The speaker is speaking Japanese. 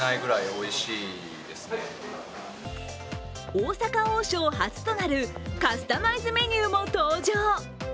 大阪王将初となるカスタマイズメニューも登場。